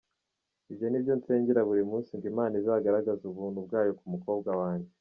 Ibyo ni byo nsengera buri munsi ngo Imana izagargaze Ubuntu bwayo ku mukobwa wanjye.